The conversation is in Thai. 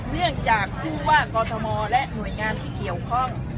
เนื่องจากผู้ว่ากอทมและหน่วยงานที่เกี่ยวข้อง